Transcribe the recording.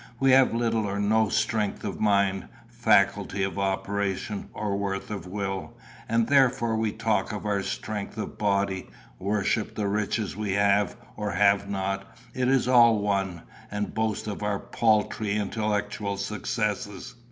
We have little or no strength of mind, faculty of operation, or worth of will, and therefore we talk of our strength of body, worship the riches we have, or have not, it is all one, and boast of our paltry intellectual successes.